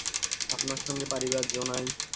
আপনার সঙ্গে পারিবার জো নাই।